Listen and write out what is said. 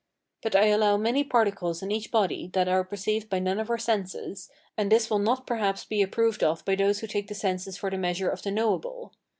But I allow many particles in each body that are perceived by none of our senses, and this will not perhaps be approved of by those who take the senses for the measure of the knowable.